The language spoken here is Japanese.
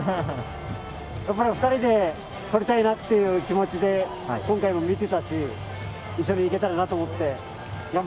２人で取りたいなという気持ちで今回も見せたし一緒に行けたらなと思って。